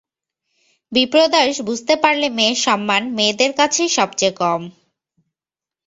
বিপ্রদাস বুঝতে পারলে মেয়ের সম্মান মেয়েদের কাছেই সব চেয়ে কম।